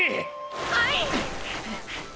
はい！